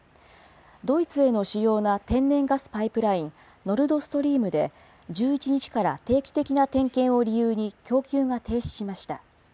ドイツへの主要な天然ガスパイプライン、ノルドストリームで、１１日から定期的な点検を理由に供給が停止しました。